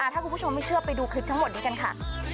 ถ้าคุณผู้ชมไม่เชื่อไปดูคลิปทั้งหมดนี้กันค่ะ